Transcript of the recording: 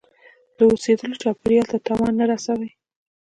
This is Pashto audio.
د اوسیدو چاپیریال ته تاوان نه رسوي.